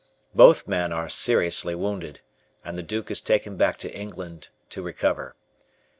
Both men are seriously wounded, and the duke is taken back to England to recover.